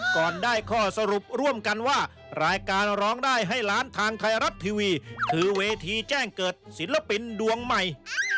ก่อนได้ข้อสรุปร่วมกันว่ารายการร้องได้ให้ล้านทางไทยรัฐทีวีคือเวทีแจ้งเกิดศิลปินดวงใหม่